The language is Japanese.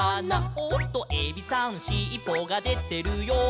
「おっとエビさんしっぽがでてるよ」